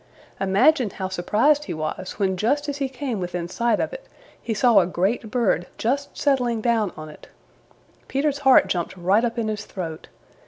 Imagine how surprised he was when just as he came within sight of it, he saw a great bird just settling down on it. Peter's heart jumped right up in his throat.